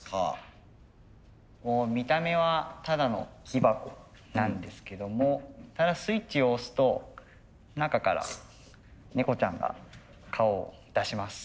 見た目はただの木箱なんですけどもスイッチを押すと中から猫ちゃんが顔を出します。